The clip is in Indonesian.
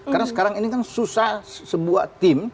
karena sekarang ini kan susah sebuah tim